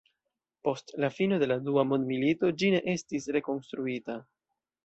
Post la fino de Dua Mondmilito ĝi ne estis rekonstruita.